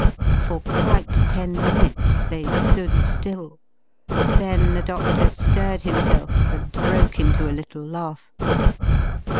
For quite ten minutes they stood still. Then the doctor stirred himself and broke into a little laugh.